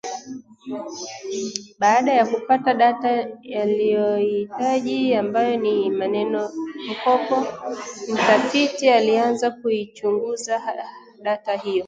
Baada ya kupata data aliyoihitaji ambayo ni manenomkopo, mtafiti alianza kuichunguza data hiyo